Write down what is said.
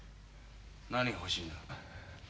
何が欲しいんだ？